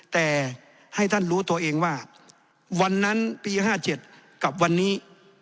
แต่ให้ท่านรู้ตัวเองว่าวันนั้นปี๕๗กับวันนี้